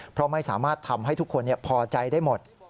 เพราะไม่สามารถทำให้ทุกคนพอใจได้หมด